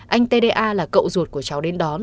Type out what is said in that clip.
anh t d a là cậu ruột của cháu đến đón